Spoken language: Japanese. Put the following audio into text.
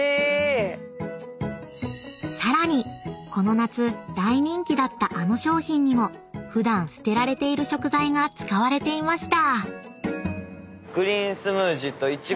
［さらにこの夏大人気だったあの商品にも普段捨てられている食材が使われていました］